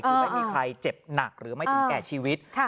คือไม่มีใครเจ็บหนักหรือไม่ถึงแก่ชีวิต